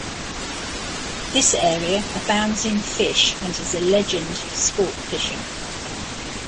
This area abounds in fish and is a legend for sport fishing.